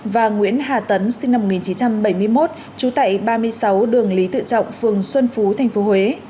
và nguyễn hà tấn sinh năm một nghìn chín trăm bảy mươi một trú tại ba mươi sáu đường lý tự trọng phường xuân phú tp huế